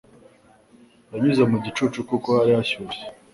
Yanyuze mu gicuku kuko hari hashyushe.